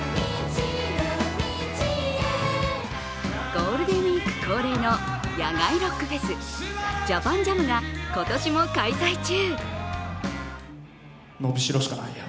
ゴールデンウイーク恒例の野外ロックフェス、ＪＡＰＡＮＪＡＭが今年も開催中。